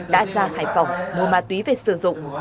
đã ra hải phòng mua ma túy về sử dụng